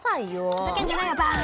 ふざけんじゃないよバン！